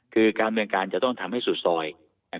คือการบินการจะต้องทำให้สุดซอยนะครับ